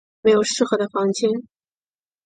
没有适合的房间